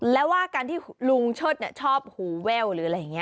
แล้วว่าการที่ลุงเชิดชอบหูแว่วหรืออะไรอย่างนี้